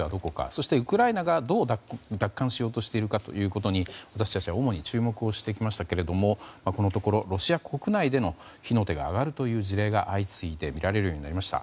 そしてウクライナがどう奪還しようとしているかというところに私たちは主に注目してきましたけれどもこのところロシア国内での火の手が上がるという事例が相次いで見られるようになりました。